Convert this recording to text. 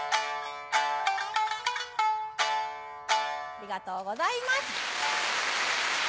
ありがとうございます。